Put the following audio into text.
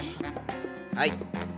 はい。